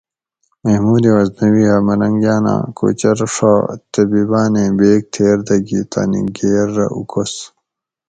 محمود غزنوی ھہ ملنگۤان آں کوچر ڛا طبیبانیں بیگ تھیر دہ گی تانی گیر رہ اوکس